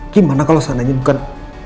gimana kalau seandainya bukan